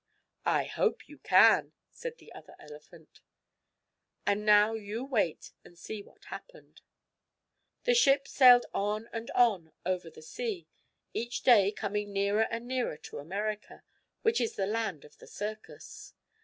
"I hope you can," said the other elephant. And now you wait and see what happened. The ship sailed on and on over the sea, each day coming nearer and nearer to America, which is the land of the circus.